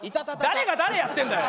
誰が誰やってんだよ！